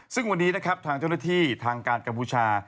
ซึ่งวันนี้นะครับทางเจ้าหน้าที่ทางการกัมพูชา